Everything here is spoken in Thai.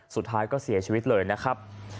สุดท้ายก็เสียชีวิตเลยนะครับ